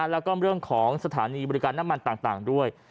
แล้วก็เรื่องของสถานีบริการน้ำมันต่างด้วย